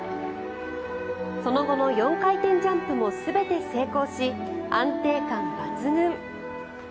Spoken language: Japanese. その後の４回転ジャンプも全て成功し、安定感抜群。